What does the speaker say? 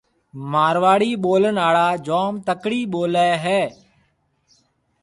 مارواڙِي ٻولڻ آݪا جوم تڪڙِي ٻوليَ هيَ۔